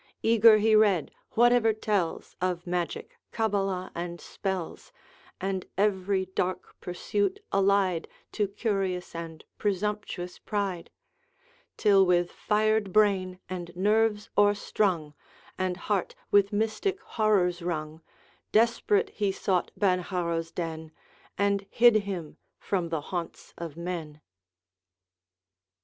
Eager he read whatever tells Of magic, cabala, and spells, And every dark pursuit allied To curious and presumptuous pride; Till with fired brain and nerves o'erstrung, And heart with mystic horrors wrung, Desperate he sought Benharrow's den, And hid him from the haunts of men.